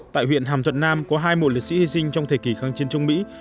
tại huyện hàm thuận nam có hai mộ liệt sĩ hy sinh trong thời kỳ kháng chiến chống mỹ